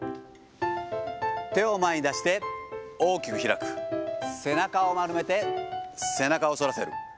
手を前に出して、大きく開く、背中を丸めて、背中を反らせる。